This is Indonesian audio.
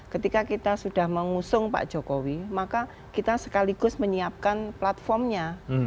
ketika kita sudah mengusung pak jokowi maka kita sekaligus menyiapkan platformnya